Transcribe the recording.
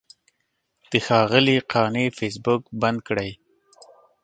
د ښاغلي قانع فیسبوک بند کړی.